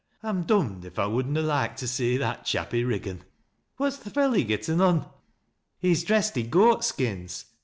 " I'm dom'd, if I would na loike to see that chap i' Riggan 1 What's th' felly getten on ?"" He's dressed i' goat skins.